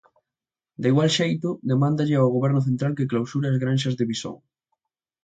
De igual xeito, demándalle ao Goberno central que clausure as granxas de visón.